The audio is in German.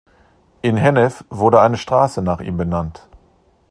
In Hennef wurde eine Straße nach ihm benannt.